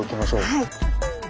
はい。